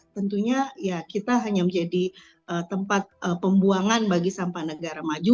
tentunya ya kita hanya menjadi tempat pembuangan bagi sampah negara maju